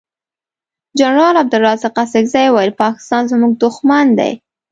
جنرال عبدلرازق اڅګزی وویل پاکستان زمونږ دوښمن دی.